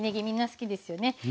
みんな好きですよね。